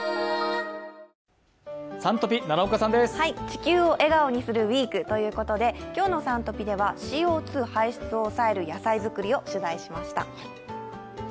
「地球を笑顔にするＷＥＥＫ」ということで、今日の「Ｓｕｎトピ」ではＣＯ２排出を抑える野菜作りを取材しました。